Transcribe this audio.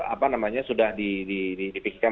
apa namanya sudah dipikirkan